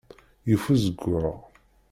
Yif uzeggaɣ.